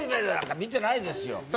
見てないですよ。